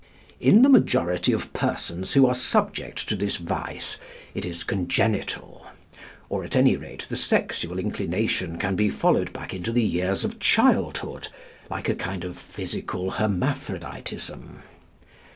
"In the majority of persons who are subject to this vice, it is congenital; or at any rate the sexual inclination can be followed back into the years of childhood, like a kind of physical hermaphroditism.